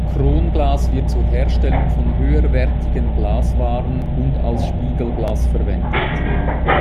Kronglas wird zur Herstellung von höherwertigen Glaswaren und als Spiegelglas verwendet.